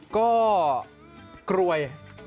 ก็กรวย